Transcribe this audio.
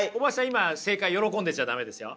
今正解喜んでちゃ駄目ですよ。